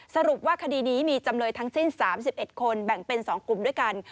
สรุปว่าคดีนี้มีจำเลยทั้งสิ้น๓๑คนแบ่งเป็น๒กลุ่มด้วยกัน